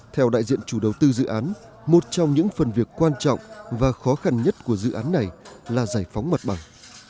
theo đại diện chủ đầu tư dự án một trong những phần việc quan trọng và khó khăn nhất của dự án này là giải phóng mặt bằng